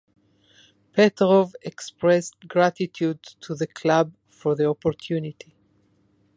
Petrov expressed gratitude to the club for the opportunity.